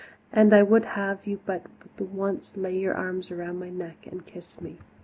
And I would have you but the once lay your arms about my neck and kiss me."